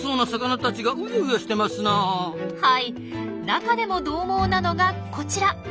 中でもどう猛なのがこちら。